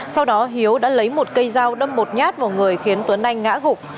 sau đó hiếu đã lấy một cây dao đâm một nhát vào người khiến tuấn anh ngã gục